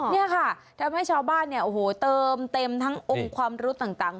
นี่ค่ะทำให้ชาวบ้านเนี่ยโอ้โหเติมเต็มทั้งองค์ความรู้ต่าง